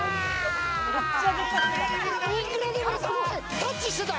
タッチしてた！